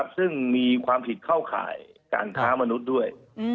ซึ่งมีความผิดเข้าข่ายการค้ามนุษย์ด้วย